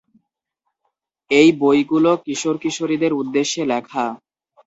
এই বইগুলো কিশোর-কিশোরীদের উদ্দেশ্যে লেখা।